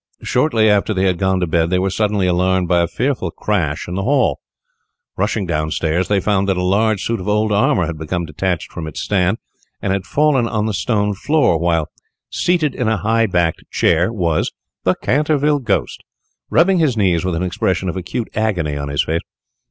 Shortly after they had gone to bed they were suddenly alarmed by a fearful crash in the hall. Rushing down stairs, they found that a large suit of old armour had become detached from its stand, and had fallen on the stone floor, while seated in a high backed chair was the Canterville ghost, rubbing his knees with an expression of acute agony on his face.